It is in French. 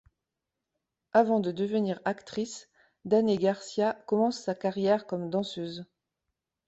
Avant de devenir actrice, Danay García commence sa carrière comme danseuse.